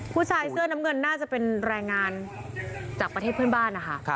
ผู้ชายเสื้อน้ำเงินน่าจะเป็นแรงงานจากประเทศเพื่อนบ้านนะคะ